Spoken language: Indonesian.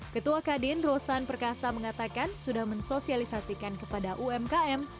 ketua kadin rosan perkasa mengatakan sudah mensosialisasikan kepada umkm